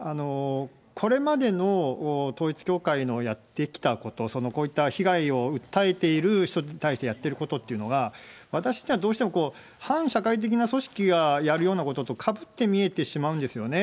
これまでの統一教会のやってきたこと、そのこういった被害を訴えている人に対してやってることというのが、私にはどうしても反社会的な組織がやるようなこととかぶって見えてしまうんですよね。